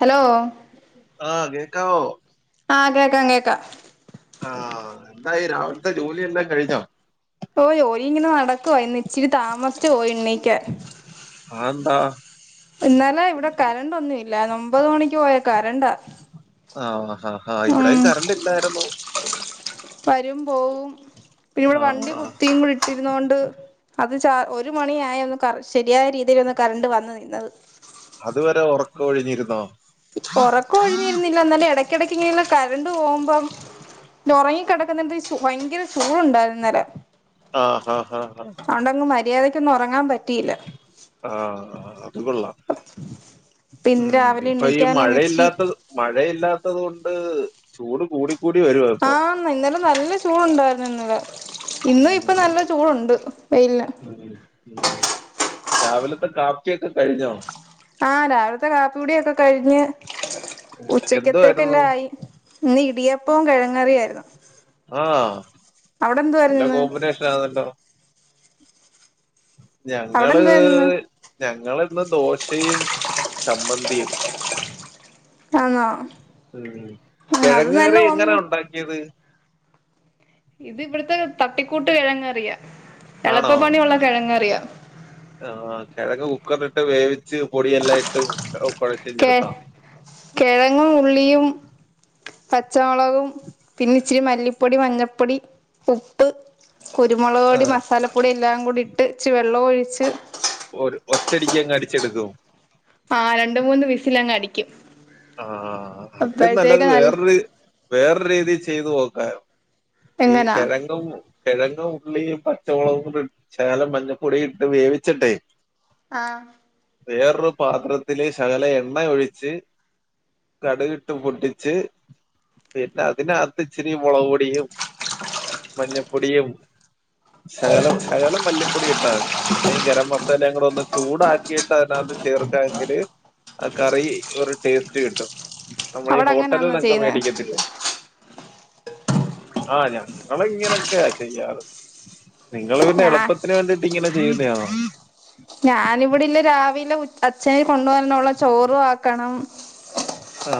Hello ആ കേക്കാവോ ആ കേൾക്കാം കേൾക്കാം അവിടുത്തെ ജോലി എല്ലാം കഴിഞ്ഞോ ഓ ജോലി ഇങ്ങനെ നടക്കുവാ ഇന്ന് ഇച്ചിരി താമസിച്ചുപോയി എണീക്കാൻ ആ ല്ല ഒമ്പത് മണിക്ക് പോയക്കാര ആ ഹ ഹ ഉം ഇവിടെയും കറണ്ട് ഇല്ലായിരുന്നു വരും പോവും പിന്ന ഇവിടെ ആ വണ്ടി ആ. കുത്തിയും കൂടി ഇട്ടിരുന്നൊണ്ട് അത് ച ഒരു മണിയായ ഒന്ന് ശരിയായ രീതിയിൽ ഒന്ന് കറണ്ട് വന്നു നിന്നത് അതുവരെ ഉറക്ക ഒഴിഞ്ഞിരുന്നോ ഉറക്ക ഒഴിഞ്ഞിരുന്നില്ല എന്നാലും ഇടയ്ക്കിടയ്ക്ക് ഇങ്ങനെ കരണ്ട് പോകുമ്പ ല്ല ഉറങ്ങി കിടക്കുന്നന്റെ ഭയങ്കര ചൂടുണ്ടായിരുന്നു ഇന്നലെ ആഹ ആഹ ആഹ മര്യാദയ്ക്ക് ഒന്നും ഉറങ്ങാൻ പറ്റിയില്ല ആ ആ അതു കൊള്ളാം ഇപ്പ ഇന്ന് ഉം രാവിലെ ഇപ്പൊ ഈ എണ്ണിക്കാനൊന്ന് ഇച്ചിരി മഴയില്ലാത്ത മഴയില്ല ഇല്ലാത്തത് കൊണ്ട് ചൂട് കൂടി ആ ഇന്നലെ നല്ല ചൂടു ഉണ്ടായിരുന്നു ഇന്നലെ ഇന്നും ഇപ്പൊ ഉം നല്ല ചൂടുണ്ട് വെയിലിന് ഉം ഉം രാവിലത്തെ കാപ്പിയൊക്കെ കഴിഞ്ഞോ ആ രാവിലത്തെ കാപ്പി കൂടിയോക്കെ കഴിഞ്ഞ് ഉം, എന്തുവായിരുന്നു ഉച്ചക്കത്തേക്കെല്ലാം ആയി ഇന്ന് ഇടിയപ്പവും കിഴങ്ങറിയായിരുന്നു ആ അവിടെ എന്തുവായിരുന്നു നല്ല ഇന്ന് കോമ്പിനേഷൻ ആന്നല്ലോ അവിടെ ഞങ്ങള് എന്തുവായിരുന്നു ഇന്ന് ഞങ്ങള് ഇന്ന് ദോശയും ചമ്മന്തിയും ആന്നോ ഉം ആഹ് അത് നല്ല കിഴങ്ങറി എങ്ങനാ കോമ്പിനേ ഉണ്ടാക്കിയത് ഇത് ഇവിടുത്തെ തട്ടിക്കൂട്ട് കിഴങ്ങറിയാ ആണോ എളുപ്പപ്പണിയുള്ള കിഴങ്ങറിയാ ആ കെഴങ് കുക്കറിലിട്ട് വേവി കച്ച് പൊടി എല്ലാം ഇട്ട് കെ കൊഴച്ച്ഞ്ഞെടുത്താ കിഴങ്ങും ഉള്ളിയും പച്ചമുളകും പിന്നെ ഇച്ചിരി മല്ലിപ്പൊടി മഞ്ഞപ്പൊടി ഉപ്പ് കുരുമുളക് ആ പൊടി മസാലപ്പൊടി എല്ലാം കൂടി ഇട്ട് ഇച്ച് വെള്ളോം ഒഴിച്ച് ഒരു ഒറ്റടിക്കങ്ങടിച്ചെടുക്കും ആ രണ്ട് മൂന്ന് വിസിലങ്ങ് അടിക്കും ആ അതി നല്ലത് അപ്പോഴത്തേക്ക് നല്ല വേറൊരു രി വേറൊരു രീതിൽ ചെയ്തു നോക്കാ ഈ എങ്ങനാ കെഴങ്ങും കെഴങ്ങും ഉള്ളിയും പച്ചമുളകും ശേലം മഞ്ഞപ്പൊടി ഇട്ട് വേവിച്ചിട്ടെ ആ വേറൊരു പാത്രത്തില് ശകല എണ്ണ ഒഴിച്ച് കടുകിട്ട് പൊട്ടിച്ച് പിന്നെ അതിനകത്ത് ഇച്ചിരി മുളക്പൊടിയും മഞ്ഞപ്പൊടിയും ശകലം ശകലം മല്ലിപ്പൊടി ഇട്ടാതി പിന്നെ ഗരം മസാല അങ്ങടെ ഒന്ന് ചൂടാക്കിയിട്ട് അതിനകത്ത് ചേർക്കങ്കില് ആ കറി ഒരു ടേസ്റ്റ് കിട്ടും നമ്മൾ ഈ അവിടെ അങ്ങനാന്നോ ഹോട്ടലിന്നക്ക ചെയ്യുന്നെ മേടിക്കത്തില്ലേ ആഞങ്ങള് ഇങ്ങനൊക്കെയ ചെയ്യാറ് നിങ്ങൾ പിന്നെ ഞാ എളുപ്പത്തിന് വേണ്ടിട്ട് ഇങ്ങനെ ചെയ്യുന്നയാണോ ഞാനിവിടല്ല രാവിലെ ഉ അച്ഛന് കൊണ്ടുവരാനള്ള ചോറു ആക്കണം ആ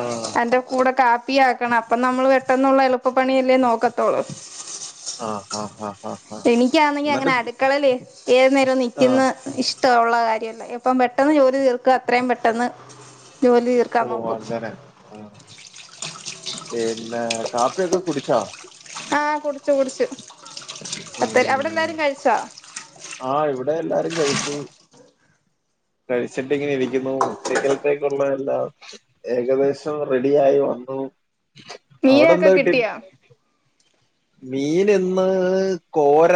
ന്റെ കൂടെ കാപ്പി ആക്കണം അപ്പൊ നമ്മൾ ട്ടെന്നുള്ള എളുപ്പപ്പണിയല്ലേ നോക്കത്തോളൂ ആ ആ ആ ആ എനിക്കാണെങ്കി എന്നിട്ട് അങ്ങനെ അടുക്കളൽ ഏത് നേരവും നി ആ ക്കുന്ന ഇഷ്ടുള്ള കാര്യല്ല ഇപ്പം പെട്ടെന്ന് ജോലി തീർക്ക അത്രയും പെട്ടെന്ന് ജോലി തീർക്കാൻ ഓ നോക്കും അങ്ങനെ ആ പിന്നെ കാപ്പിയൊക്കെ കുടിച്ചോ ആ കുടിച്ചു കുടിച്ചു അത്ത അവിടെ ഉം എല്ലാരും കഴിച്ചോ സു കഴിച്ചിട്ടിങ്ങനെ ഇരിക്കുന്നു ഉച്ചക്കിൽത്തേക്കുള്ള എല്ലാം ഏകദേശം റെഡിയായി വ ന്നു മീനൊക്കെ കിട്ടിയൊ മീൻ ഇന്ന് കോര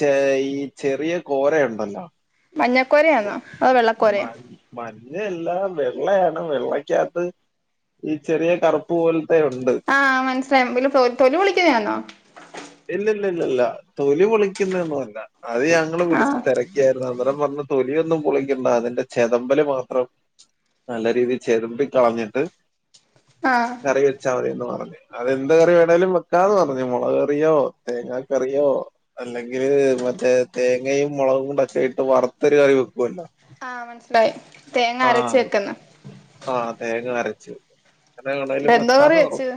ചെ ഈ ചെറിയ കോരയുണ്ടല്ലോ മഞ്ഞക്കോരയാന്നോ അതോ വെള്ളക്കോരയൊ ന്നെ എല്ലാം വെള്ളയാണ് വെള്ളക്കകത്ത് ഈ ചെറിയ കറുപ്പ് പോൽ ആ മനസ്സിലായി പി തൊലി തൊലി പൊളിക്കുന്നയാന്നോ ഇല്ല ല്ല ല്ല ല്ല തൊലി പൊളിക്കുന്നെയൊന്നും അല്ല അത് ഞങ്ങള് വിളിച്ച് ആഹ് തെരക്കിയായിരുന്നു അന്നരം പറഞ്ഞ തൊലിയൊ ന്നും പൊളിക്കണ്ട അതിന്റെ ചെതമ്പല് മാത്രം നല്ല രീതിയിൽ ചെരുമ്പി കളഞ്ഞിട്ട് ആഹ് കറി വെച്ചാ തിന്ന് പറഞ്ഞു അതെന്ത് കറി വേണേലും വെക്കാന്ന് പറഞ്ഞു മുളക് റിയോ തേങ്ങറിയോ അല്ലെങ്കിൽ മറ്റേ തേങ്ങയും മുളകും ഒ ക്കെട്ട് വറു ഒത്തരു കറി വെക്കുവല്ലോ ആ മനസ്സിലായി തേങ്ങ അരച്ച് വെക്കന്ന ആഹ് തേങ്ങ അരച്ചു [unintelligible] ഇപ്പെന്തോ കറി വക്കാന്ന് വെച്ച് പറഞ്ഞു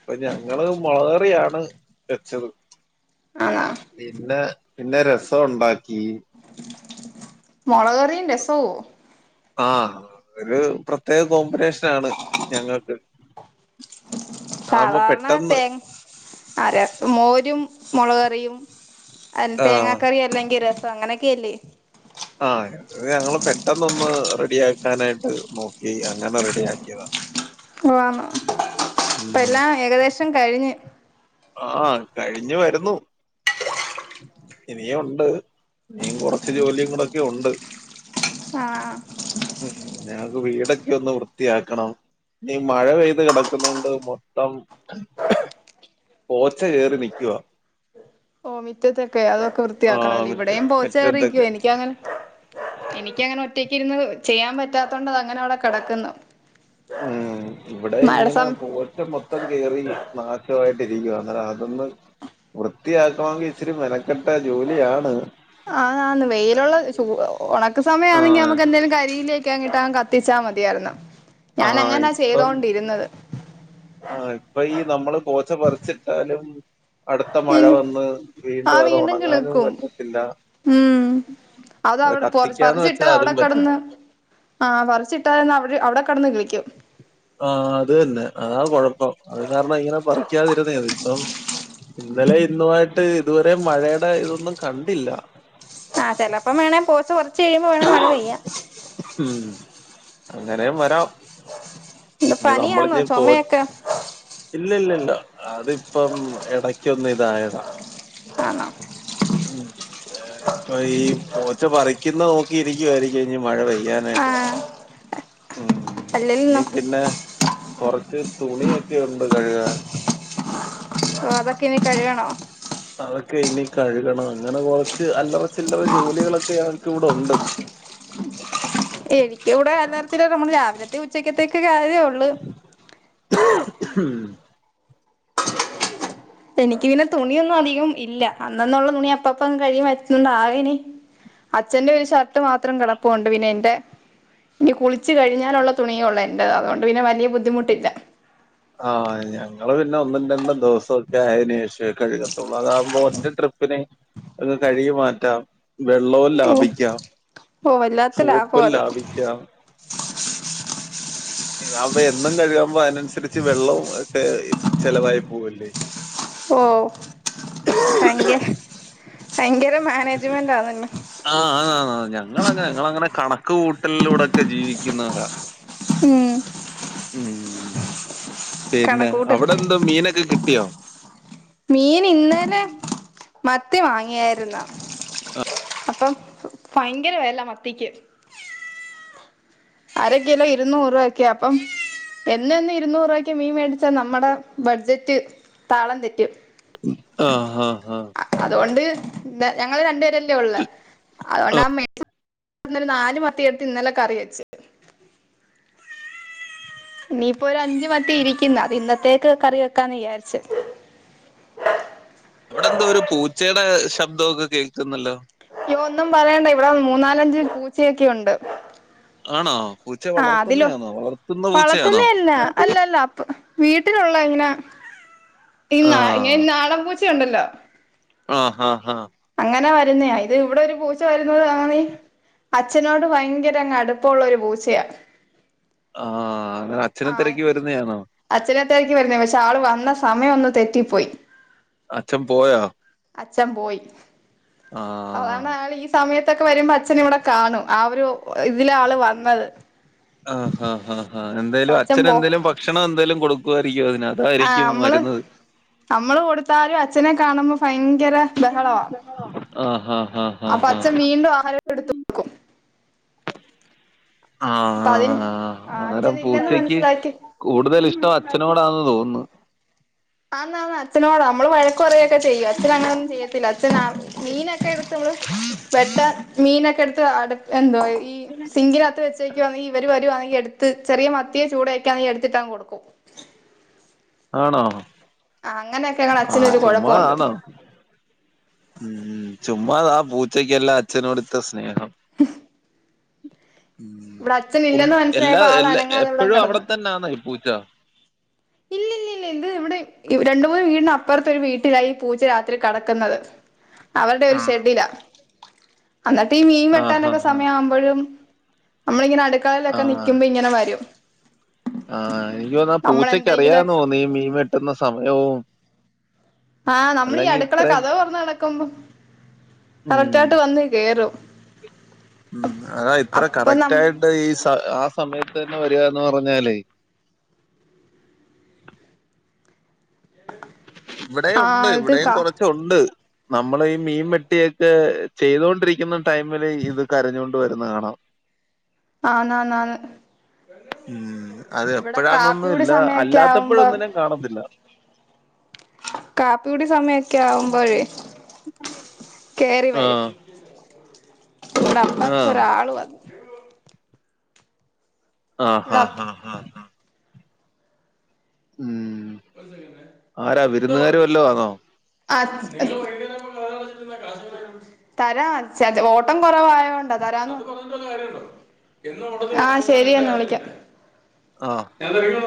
അപ്പൊ ഞങ്ങള് മൊളറിയാണ് വെച്ചത് ആണോ പിന്നെ പിന്നെ രസംവുണ്ടാക്കി മൊളക്ക്കറിയും രസവോ ആ ഒരു പ്രത്യേക കോമ്പിനേഷനാണ് ഞങ്ങൾക്ക് ആവുമ്പോ സാധാരണ പെട്ടെന്ന് തേ ആര മോരും മൊളക്കറിയും അ തേങ്ങാ ആഹ് കറി അല്ലെങ്കിൽ രസം അങ്ങനെയൊക്കെയല്ലേ ആ ഞങ്ങള് പെട്ടെന്ന ഒന്ന് റെഡിയാക്കാനായിട്ട് നോക്കി അങ്ങനെ റെഡി ആക്കിയതാ അപ്പ എല്ലാം ഏകദേശം കഴിഞ്ഞ് ആ കഴിഞ്ഞു വരുന്നു ഇനിയുണ്ട് ഇനിയും കൊറച്ച ജോലിയും കൂടെ ഒക്കെ ഉണ്ട് ആ ഉ ഞങ്ങക്ക് വീടൊക്കെ ഒന്ന് വൃത്തിയാക്കണം നീ മഴ പെയ്ത് കിടക്കുന്നുണ്ട് മൊത്തം പോച്ചാ കയറി നിക്കുവാ ഓ മിറ്റത്തൊക്കെ അതൊക്കെ ആഹ് വൃത്തിയാക്കണല്ലേ മുറ്റ ഇവിടെയും പോച്ചകേറി മുറ്റത്തൊക്കെ എനിക്കങ്ങനെ എനിക്കങ്ങനെ ഒറ്റക്ക് ഇരുന്ന് ചെയ്യാൻ പറ്റാത്തണ്ടത് അങ്ങനെ അവിടെ കിടക്കുന്നു ഉം ഇവിടെ മഴ ഇങ്ങനെ സം പൂച്ച മൊത്തം കേറി നാശമായിട്ട് അ അതൊന്ന് വൃത്തിയാക്കവാമെങ്കിൽ ഇച്ചിരി മെനക്കെട്ട ജോലിയാണ് ആതന്ന് വെയിലുള്ള ച ഉണ സമയമാണെങ്കിൽ ആഹ് നമ്മുക്ക് എന്തെങ്കിലും കരിയിലേക്ക അങ്ങിട്ടാ കത്തിച്ചാൽ മതിയായിരുന്നു ഞാൻ അങ്ങനാ ചെയ്തോണ്ടിരുന്നത് ആ ഇപ്പൊ ഈ നമ്മള് പോച്ച പറിച്ചിട്ടാലും അടുത്ത മഴ വന്ന് ആ വീണ്ടും അത് ഉണങ്ങാനും കിളിർക്കും പറ്റത്തില്ല ഉം അത അത് അവിടെ കത്തിക്കാന്ന് പറച്ചിട്ട് വെച്ചാ അവിടെ അതും പറ്റില്ല കടന്ന് ആ പറച്ചിട്ടായിന്ന് അ അവിടെ കടന്ന് കളിക്കും ആ അത് തന്നെ അതാ കൊഴപ്പം അത് കാരണം ഇങ്ങനെ പറിക്കാതിരുന്ന അത് ഇപ്പം ഇന്നലെ ഇന്നുമായിട്ട് ഇതുവരെ മഴയുടെ ഇതൊന്നും കണ്ടില്ല ആ ചെപ്പം വേണ പോച്ച പറിച്ച് കഴിയുമ്പോ വേണ മഴ പെയ്യാ ഉം അങ്ങനെയും വരാ ഇത് ഇ നമ്മള പനിയാന്നോ പോ ചുമയൊക്കെ ഇല്ലല്ലല്ല അത് ഇപ്പം ഇടക്കൊന്ന് ഇതായതാ ആണോ ഇപ്പ ഈ പോച്ച പറിക്കുന്ന നോക്കി ഒ ഇരിക്കുരിക്ക ആയിരിക്കും മഴ പെയും ആ ഉം അല്ലല്ലോ ഇനിക്ക പിന്നെ കുറച്ച് തുണിയൊക്കെ ഉണ്ട് കഴുകൻ ഓ അതൊക്കെ ഇനി കഴുകണോ അതൊക്കെ ഇനി കഴുകണം അങ്ങനെ കൊറച്ച് അല്ലവ ചില്ലറ ജോലികളൊക്കെ ഞനക്ക് ഇവിടെ ഉണ്ട് [unintelligible] എനിക്കിവിടെ അല്ലറച്ചില്ലറ നമ്മള് രാവിലത്തെ ഉച്ചയ്ക്കത്തേക്ക് കാര്യേ ഉള്ളൂ ഉം എനിക്ക് പിന്നെ തുണിയൊന്നും അധികം ഇല്ല അന്നന്നുള്ള തുണി അപ്പപ്പ കഴികി വച്ചൊണ്ട് ആകേനി അച്ഛന്റെ ഒരു ഷർട്ട് മാത്രം കിടപ്പുണ്ട് പിന്നെ എൻ്റ ഇനി കുളിച്ചു കഴിഞ്ഞാലുള്ള തുണിയള്ള എന്റെ അതുകൊണ്ട് പിന്നെ വലിയ ബുദ്ധിമുട്ടില്ല ആ ഞങ്ങള് പിന്നെ ഒന്നും രണ്ടും ദിവസൊക്കെ ആയന്ശേഷം കഴുക ത്തള്ളൂ അതകുമ്പോ ഒറ്റ ട്രിപ്പിന് ഒങ് കഴുകി മാറ്റാം വെള്ളവും ഓ ലാഭിക്കാം ഓ വല്ലാത്ത ലാഭം സോപ്പും അത് ലാഭിക്കാം ഇതാകുബൊ എന്നും കഴിയുമ്പോ അതനനുസരിച്ച് വെള്ളവും ഒക്കെ ചെലവായി പോവില്ലേ ഓ ഭയങ്കര ഭയങ്കര മാനേജ്മെന്റ് ആണല്ലേ ഇങ്ങള ഇങ്ങള അങ്ങനെ കണക്ക് കൂട്ടലിലൂടൊക്കെ ജീവിക്കുന്നവരാ ഉം ഉം പിന്നെ കണക്കൂട്ടൽ അവിടെ എന്തോ മീനൊക്കെ കിട്ടിയോ മീൻ ഇന്നലെ മത്തി വാങ്ങിയായിരുന്നു അപ്പൊ- ഭയങ്കര വില മത്തിക്ക് അര കിലോ ഇരുന്നൂറ് രൂപ ഒക്കെയ അപ്പം- എന്നും എന്നും ഇരുന്നൂറ് രൂപക്ക് മീൻ മേടിച്ചാ നമ്മുടെ- ബഡ്ജറ്റ്- താളം തെറ്റും ആ ആ ആ അതുകൊണ്ട് ഞങ്ങള് രണ്ടുപേരല്ലേ ഒള്ളു അതുകൊണ്ടാ [unintelligible] നാല് മത്തിയെടുത്ത് ഇന്നലെ കറി വെച്ച് ഇനിയിപ്പോ ഒരു അഞ്ച് മത്തി ഇരിക്കുന്നു അത് ഇന്നത്തേക്ക് കറി വെക്കാന്ന് വിചാരിച്ചു -അവിടെന്തോ ഒരു പൂച്ചയുടെ ശബ്ദമൊക്കെ കേൾക്കുന്നല്ലോ ഇ ഒന്നും പറയണ്ട ഇവിടെ മൂന്നാലഞ്ച് പൂച്ചയൊക്കെയുണ്ട് ആണോ പൂച്ച ആ അതിലോ- വളർത്തുന്നയാണോ വളർത്തുന്ന വളർത്തുന്ന പൂച്ചയാണോ അല്ല അല്ലല്ല അപ്പ വീട്ടിലുള്ള ഇങ്ങനെ- ഇങ്ങെ നാടൻ പൂച്ചുണ്ടല്ലോ ആ ആഹ് ആ അങ്ങനെ വരുന്ന ഇത് ഇവിടെ ഒരു പൂച്ച വരുന്നത് [unintelligible] അച്ഛനോട് ഭയങ്കരങ് അടുപ്പുള്ളൊ ഒരു പൂച്ചയാ ആഹ് അങ്ങനെ അച്ഛനെ ആ തിരക്കി വരുന്നയാണോ അച്ഛനെ തിരക്കി വരുന്നേ പക്ഷെ ആള് വന്നാ സമയമൊന്ന് തെറ്റിപ്പോയി അച്ഛൻ പോയൊ അച്ഛൻ പോയി ആഹ് അതാണ് അയാൾ ഈ സമയത്ത് ത്തൊക്ക വരുമ്പോ അച്ഛന് ഇവിടെ കാണും- ആ ഒരു ഇതില ആള് വന്നത് ആ ആ ആ ആ എന്തായാലും അച്ഛൻ എന്തേലും ഭക്ഷണം എന്തെലും കൊടു ക്കും ആഹ് അതായിരിക്കും നമ്മള് വരുന്നത് നമ്മള് കൊടുത്താലും അച്ഛനെ കാണുമ്പോ ഭയങ്കര ബഹളവാ ആ ഹാ ആാ ഹ അപ്പൊ ഹാ [inaudible] അച്ഛൻ വീണ്ടും ആഹാരം എടുത്ത് കൊടുക്കും ആ അപ്പൊ അതിന് ആആ ആഹ് അരം അച്ഛനില്ലെന്ന് പൂച്ചക്ക് മനസ്സിലാക്കി കൂടുതൽ ഇഷ ട്ടം അച്ഛനോട്‌ ആണെന്ന് തോന്നുന്നു ആ- അച്ഛനോട നമ്മള് വഴക്ക് അതന്നെ അച്ചനൊടാ നമ്മൾ വര്ക്ക് പറയൊക്കെ ചെയ്യും അച്ഛന അങ്ങനൊന്നും ചെയ്യത്തില്ല അച്ഛന മീനൊക്കെ [unintelligible] വെട്ട- മീനൊക്കെ എടുത്ത്- [unintelligible] എന്തോ ഈ സിംഗിനകത്ത് വെച്ചേക്കുവാ ഇവർ വരുവാണെങ്കിൽ എടുത്ത് ചെറിയ മത്തിയ ചൂട്യൊക്കെ എടുത്തിട്ടാ കൊടുക്കും ആണോ ആഹ് അങ്ങനെയൊക്കെ ഞങ്ങടെ ആ അച്ഛനൊരു ചുമ്മാ കുഴപ്പമുണ്ട് ആണോ ഉം ചുമാ ആ പൂച്ചയ്ക്ക്ല്ലാ അച്ഛ നോടിത്ര സ്നേഹം [inaudible] ഉം ഉ- ഇവിടെ ഫുൾ അച്ഛനില്ലെന്ന് എല്ല മനസ്സിലായപ്പോ ആള് എല്ല അനങ്ങാതെ ഇവിടങ്ങ് എപ്പഴും അവിടെ തന്നെ ആന്നോ ഈ പൂച്ച ഇല്ല ഇല്ല ഇല്ല ഇവിടെ ഇത് രണ്ട് മൂന്ന് വീട് അപ്പുറത്തരു വീട്ടിലായി ഈ പൂച്ച രാത്രി കടക്കുന്നത് അവരുടെ ഒരു ആഹ് ഷെഡിലാ എന്നിട്ട് ഈ മീൻ ആഹ് വെട്ടാനൊക്കെ ആഹ് സമയമാവുമ്പോഴും നമ്മളിങ്ങനെ അടുക്കളിലൊക്കെ നൽക്കുമ്പോ ഇങ്ങനെ വരും ആഹ- എനിക്കോന്നാ നമ്മൾ പൂച്ചക്ക് അറിയാന്നോ എന്തെങ്കിലുമൊക്കെ നീ മീൻ വെട്ടുന്ന സമയവും ആഹ് നമ്മൾ ഈ അല്ലെങ്കി അടുക്കള ഇത്രേം കതക് തുറന്ന് കിടക്കുമ്പോ കറക്റ്റ് ഉം ആയിട്ട് വന്ന് കേയറും ഉം അതാ ഇത്ര അപ്പൊ ന കറക്റ്റ് ആായിട്ട് ഈ സ ആ സമയത്ത് തന്നെ വരികന്ന് പറഞ്ഞാലേ- [inaudible] [inaudible] ഇവിടെ ഉണ്ട്- ആഹ് ഇത് ഇവിടെയും കാ കുറച്ച ഉണ്ട് നമ്മൾ ഈ മീൻ വെട്ടിയൊക്കെ ചെയ്തോൊണ്ടിരിക്കുന്ന ടൈമില് ഇത് കരഞ്ഞൊണ്ട് വരുന്ന കാണാം [inaudible] ആന്ന് ആന്ന് ന്ന് ഉം- അത് എപ്പോഴാന്നൊന്നും കാപ്പികുടി ഇല്ല സമയൊക്കെ ആവുമ്പോ അല്ലാത്തപ്പോഴൊന്നിനൻ കാണത്തില്ല കാപ്പിയുടെ സമയൊക്കെ ആവുമ്പോഴേ- കയറി വരും ആഹ് ഇവിടെ അമ്മക്ക ആഹ് ഒരാൾ വന്നു ഇവിടെ ആഹഹ് അപ്പ ഹാ് ഹാ ഹാ ഉം ആരാ വിരുന്നുകാര് വല്ലോ ആന്നോ അ [unintelligible] തരാ ച്ച ഓട്ടം കുറവായതോണ്ടാ തരാന്ന് ആഹ ശെരി എന്നാാ വിളിക്കാം ആഹ് ഞന്ത